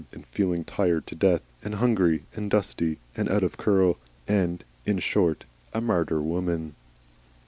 and feeling tired to death and hungry and dusty and out of curl, and, in short, a martyr woman.